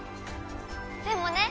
でもね